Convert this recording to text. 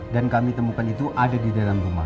dan kami temukan itu ada di dalam rumah